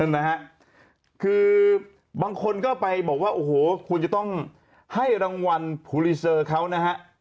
นะฮะคือบางคนก็ไปบอกว่าโอ้โหควรจะต้องให้รางวัลภูรีเซอร์เขานะฮะ